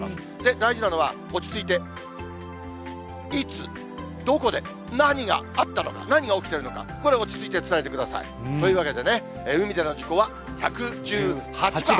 大事なのは、落ち着いて、いつ、どこで、何があったのか、何が起きてるのか、これを落ち着いて伝えてください。というわけでね、海での事故は、１１８番。